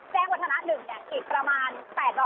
แจ้งวัฒนะ๑เนี่ยอีกประมาณ๘๐๐เมตร